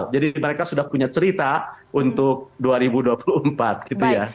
jadi mereka sudah punya cerita untuk dua ribu dua puluh empat gitu ya